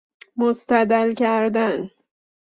مستدل کردن